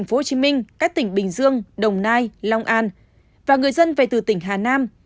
tp hcm các tỉnh bình dương đồng nai long an và người dân về từ tỉnh hà nam